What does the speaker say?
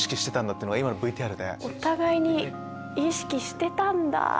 お互いに意識してたんだ！